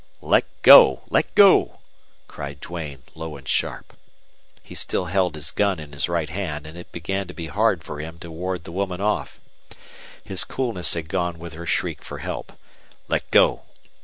"Let go! Let go!" cried Duane, low and sharp. He still held his gun in his right hand, and it began to be hard for him to ward the woman off. His coolness had gone with her shriek for help. "Let go!"